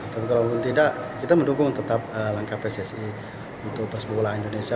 tapi kalau tidak kita mendukung tetap langkah pssi untuk sepak bola indonesia